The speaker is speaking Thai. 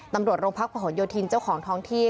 ตำรวจโรงพักประหลโยธินเจ้าของท้องที่